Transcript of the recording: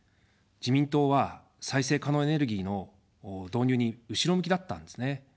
自民党は再生可能エネルギーの導入に後ろ向きだったんですね。